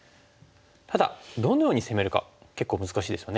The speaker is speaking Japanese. ただどのように攻めるか結構難しいですよね。